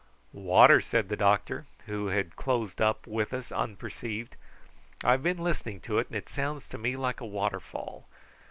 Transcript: "Water," said the doctor, who had closed up with us unperceived. "I've been listening to it, and it sounds to me like a waterfall.